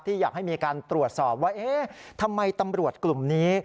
อยากให้มีการตรวจสอบว่าเอ๊ะทำไมตำรวจกลุ่มนี้